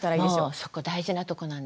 もうそこ大事なとこなんですよ。